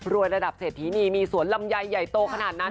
ระดับเศรษฐีนีมีสวนลำไยใหญ่โตขนาดนั้น